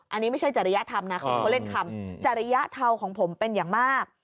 อันนี้ไม่ใช่จริยธรรมนะของเขาเล่นคำจริยเทาของผมเป็นอย่างมาก